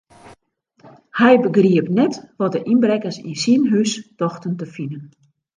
Hy begriep net wat de ynbrekkers yn syn hús tochten te finen.